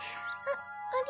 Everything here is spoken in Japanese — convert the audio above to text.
あれ？